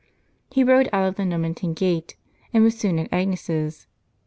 He rode out of the Nomentan gate, and was soon at Agnes' s.